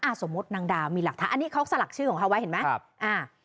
สมมุตินางดาวมีหลักฐานอันนี้เขาสลักชื่อของเขาไว้เห็นไหมครับอ่า